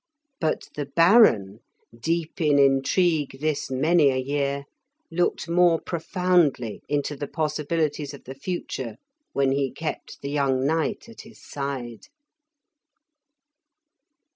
But the Baron, deep in intrigue this many a year, looked more profoundly into the possibilities of the future when he kept the young knight at his side.